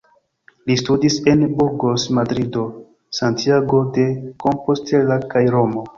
Li studis en Burgos, Madrido, Santiago de Compostela kaj Romo.